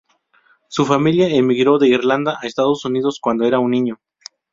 Su familia emigró de Irlanda a Estados Unidos, cuando era un niño.